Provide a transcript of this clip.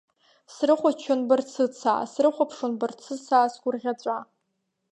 Срыхәаччон Барцыцаа, срыхәаԥшуан Барцыцаа сгәырӷьаҵәа.